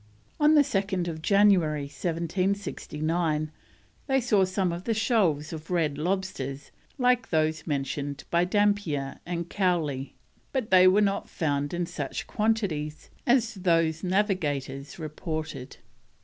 On 2nd January 1769, they saw some of the shoals of red lobsters like those mentioned by Dampier and Cowley, but they were not found in such quantities as those navigators reported.